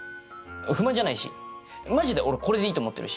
不満じゃないしマジで俺これでいいと思ってるし。